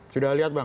sudah lihat bang